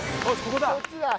こっちだ！